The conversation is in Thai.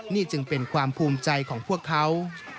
นี่จึงเป็นความภูมิใจของพวกเขา